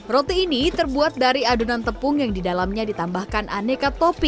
roti ini terbuat dari adonan tepung yang didalamnya ditambahkan aneka topi